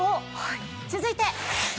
続いて。